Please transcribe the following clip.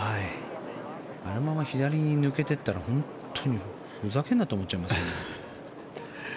あのまま左に抜けていったら本当にふざけんなって思っちゃいますよ。